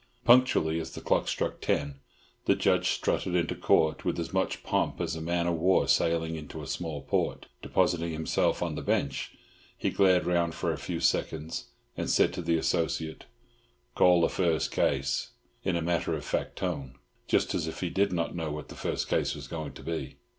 Punctually as the clock struck ten, the Judge strutted into Court with as much pomp as a man of war sailing into a small port; depositing himself on the Bench, he glared round for a few seconds, and said to the associate, "Call the first case," in a matter of fact tone, just as if he did not know what the first case was going to be.